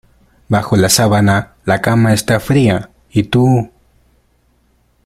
Bajo la sábana la cama está fría y tú...